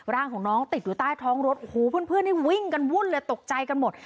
ร่างของน้องติดอยู่ใต้ท้องรถโอ้โหเพื่อนนี่วิ่งกันวุ่นเลยตกใจกันหมด